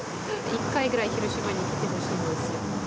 一回ぐらい広島に来てほしいんです。